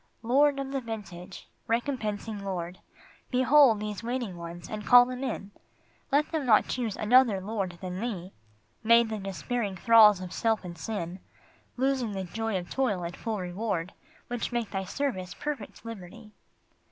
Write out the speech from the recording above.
Lord of the vintage, recompensing Lord, Behold these waiting ones and call them in, Let them not choose another Lord than Thee, Made the despairing thralls of self and sin, Losing the joy of toil and full reward Which make Thy service perfect liberty.